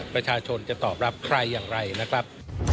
ประชาชนจะตอบรับใครอย่างไรนะครับ